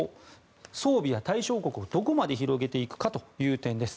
装備や対象国をどこまで広げていくかということです。